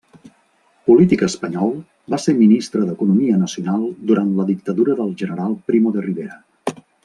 Polític espanyol, va ser ministre d'Economia Nacional durant la dictadura del general Primo de Rivera.